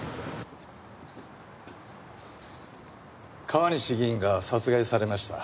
川西議員が殺害されました。